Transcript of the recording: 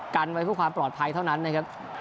กันไว้เพื่อความปลอดภัยเท่านั้นนะครับ